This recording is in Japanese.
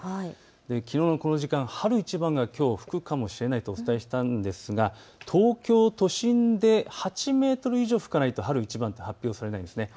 きのうのこの時間、春一番がきょう吹くかもしれないとお伝えしたんですが東京都心で８メートル以上吹かないと春一番と発表されないんですね。